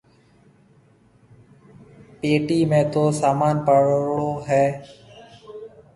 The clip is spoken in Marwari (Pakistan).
پيٽِي ۾ تو سامان ڀروڙو هيَ۔